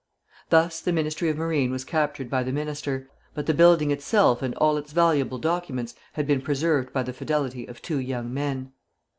Thus the Ministry of Marine was captured by the minister; but the building itself and all its valuable documents had been preserved by the fidelity of two young men.